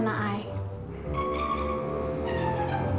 makasih ya bun bun